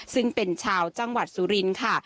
ซึ่งเป็นชาวจังหวัดสุรินทร์ค่ะ